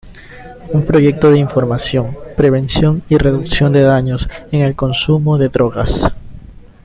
Un proyecto de información, prevención y reducción de daños en el consumo de drogas.